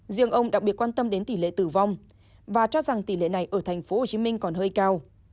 riêng ông đặc biệt quan tâm đến tỷ lệ tử vong và cho rằng tỷ lệ này ở tp hcm còn hơi cao